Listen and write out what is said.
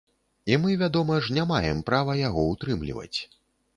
І мы, вядома ж, не маем права яго ўтрымліваць.